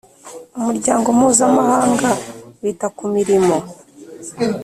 Umuryango Mpuzamahanga wita ku mirimo